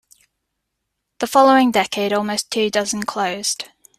The following decade almost two dozen closed.